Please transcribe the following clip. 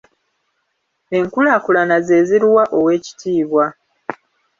Enkulaakulana ze ziruwa Oweekitiibwa?